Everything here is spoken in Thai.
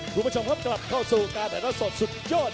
รุ่นประจำครับกลับเข้าสู่การถ่ายทัศน์สุดยอด